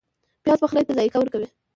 پیاز پخلی ته ذایقه ورکوي